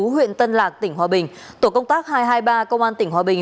huyện tân lạc tỉnh hòa bình tổ công tác hai trăm hai mươi ba công an tỉnh hòa bình